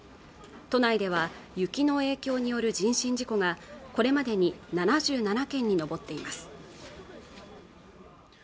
都内では雪の影響による人身事故がこれまでに７７件に上っています